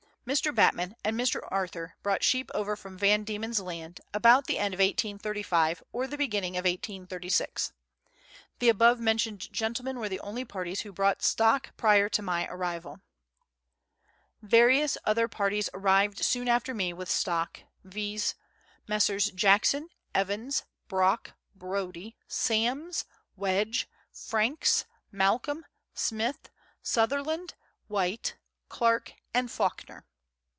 Mr. Batman and Mr. Arthur brought sheep over from Van Diemen's Land about the end of 1835, or the beginning of 1836. The above mentioned gentlemen were the only parties who brought stock prior to my arrival. Various other parties arrived soon after me with stock, viz.: Messrs. Jackson, Evans, Brock, Brodie, Sams, Wedge, Franks, Malcolm, Smith, Sutherland, Whyte, Clarke, and Fawkner.